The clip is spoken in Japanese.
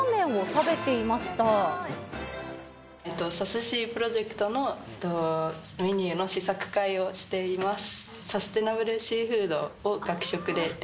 サスシープロジェクトのメニューの試作会をしています。